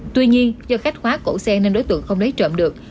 tuy nhiên do khách khóa cổ xe nên đối tượng không lấy trộm được